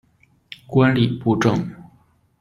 观礼部政。